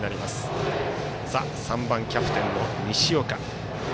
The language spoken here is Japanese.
打席は３番、キャプテンの西岡。